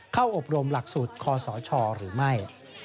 เข้าอบรมหลักศูนย์คศชหรือไม่